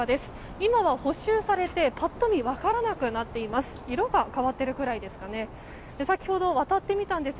今は補修されて、パッと見分からなくなっています。